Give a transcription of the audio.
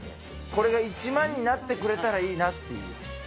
これが１万になってくれたらいいなっていう。